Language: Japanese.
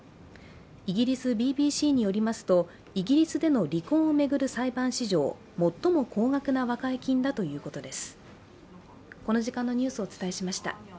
イギリスＢＢＣによりますと、イギリスでの離婚を巡る裁判史上最も高額な和解金だということです。